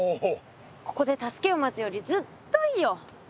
ここで助けを待つよりずっといいよ。